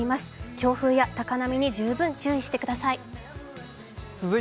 強風や高波に十分注意してください。